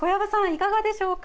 いかがでしょうか。